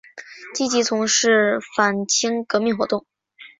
积极从事反清革命活动。